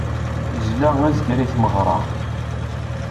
Izla azger i tmeɣra.